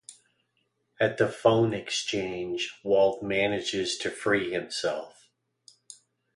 At the phone exchange, Walt manages to free himself.